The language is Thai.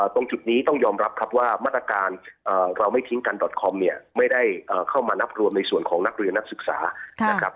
ตรงจุดนี้ต้องยอมรับครับว่ามาตรการเราไม่ทิ้งกันดอตคอมเนี่ยไม่ได้เข้ามานับรวมในส่วนของนักเรียนนักศึกษานะครับ